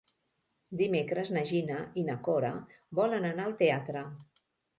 Dimecres na Gina i na Cora volen anar al teatre.